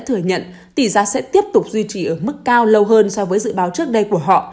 thừa nhận tỷ giá sẽ tiếp tục duy trì ở mức cao lâu hơn so với dự báo trước đây của họ